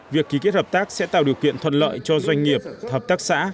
việc ký kết hợp tác sẽ tạo điều kiện thuận lợi cho doanh nghiệp hợp tác xã